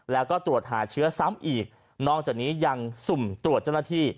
แล้วก็ตรวจหาเชื้อซ้ำอีกนอกจากนี้ยังสุ่มตรวจเจ้าหน้าที่